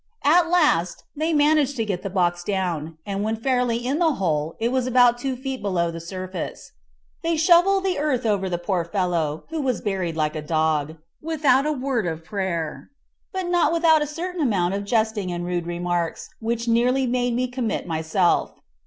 At last they managed to get the box down, and when fairly in the hole it was about two feet below the surface. They shovelled in the earth over the poor fellow, who was buried like a dog, without a word of prayer; but not without a certain amount of jesting and rude remarks, which nearly made me commit myself.